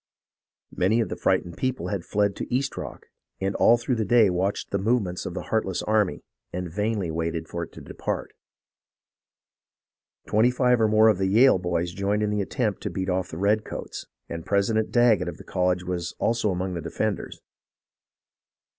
Many of the frightened people had fled to East Rock, and all through the day watched the movements of the heart less army, and vainly waited for it to depart. Twenty five or more of the Yale boys joined in the attempt to beat off the redcoats, and President Daggett of the college was also among the defenders.